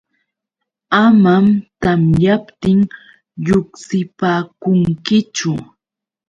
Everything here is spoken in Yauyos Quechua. Amam tamyaptin lluqsipaakunkichu.